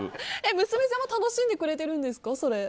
娘さんも楽しんでくれてるんですか？